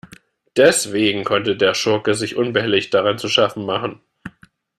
Deswegen konnte der Schurke sich unbehelligt daran zu schaffen machen.